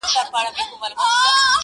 • حدِاقل چي ته مي باید پُخلا کړې وای،